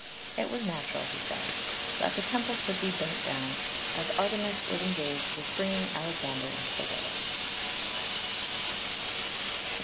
'It was natural,' he says, 'that the temple should be burnt down, as Artemis was engaged with bringing Alexander into the world'" (Pauly, with the references).